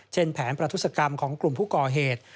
แผนประทุศกรรมของกลุ่มผู้ก่อเหตุ